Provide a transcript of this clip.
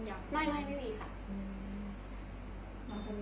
เอาเลี้ยงเขาให้ดีสักกว่า